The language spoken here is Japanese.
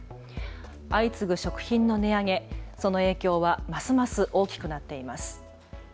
相次ぐ食品の値上げ、その影響はますます大きくなっています。